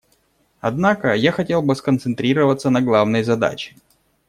Однако я хотел бы сконцентрироваться на главной задаче.